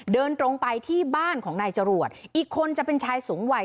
เดินตรงไปที่บ้านของนายจรวดอีกคนจะเป็นชายสูงวัย